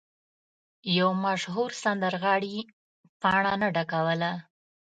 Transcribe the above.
یو مشهور سندرغاړی پاڼه نه ډکوله.